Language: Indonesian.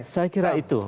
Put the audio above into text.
saya kira itu